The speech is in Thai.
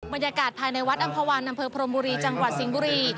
บรรยากาศภายในวัดอำภาวันอำเภอพรมบุรีจังหวัดสิงห์บุรี